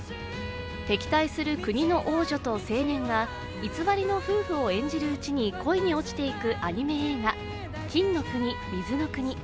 敵対する国の王女と青年が偽りの夫婦を演じるうちに恋に落ちていくアニメ映画「金の国水の国」。